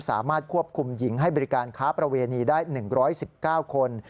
สามารถควบคุมหญิงให้บริการค้าประเวณีได้๑๑๙คน